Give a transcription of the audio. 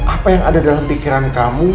apa yang ada dalam pikiran kamu